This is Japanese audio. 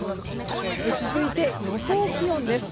続いて予想気温です。